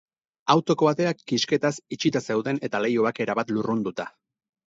Autoko ateak kisketaz itxita zeuden eta leihoak erabat lurrunduta.